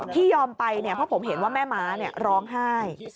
พี่ยอมไปเนี่ยเพราะผมเห็นว่าแม่ม้าเนี่ยร้องไห้